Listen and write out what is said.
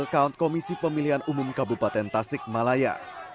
kawan komisi pemilihan umum kabupaten tasik malaya